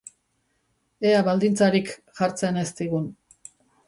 Ea baldintzarik jartzen ez digun.